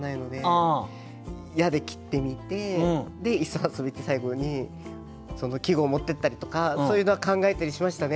「や」で切ってみてで「磯遊」って最後に季語を持っていったりとかそういうのは考えたりしましたね。